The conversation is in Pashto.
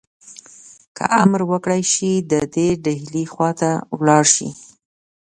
که امر وکړای شي دی دي ډهلي خواته ولاړ شي.